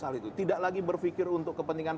hal itu tidak lagi berpikir untuk kepentingan